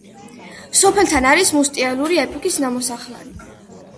სოფელთან არის მუსტიეური ეპოქის ნამოსახლარი.